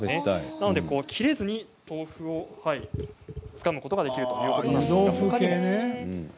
切らずに豆腐をつかむことができるということです。